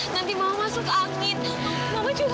terima kasih banyak